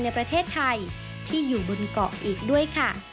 ในประเทศไทยที่อยู่บนเกาะอีกด้วยค่ะ